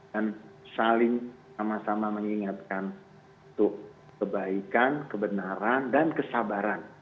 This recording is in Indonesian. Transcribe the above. dan saling sama sama mengingatkan untuk kebaikan kebenaran dan kesabaran